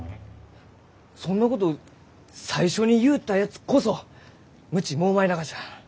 そんなことを最初に言うたやつこそ無知蒙昧ながじゃ。